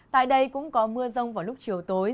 tại đây cũng có mưa rông vào lúc chiều tối